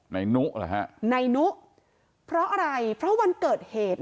นุเหรอฮะนายนุเพราะอะไรเพราะวันเกิดเหตุ